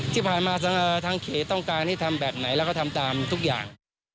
ที่ผ่านมาทางเขตต้องการให้ทำแบบไหนแล้วก็ทำตามทุกอย่าง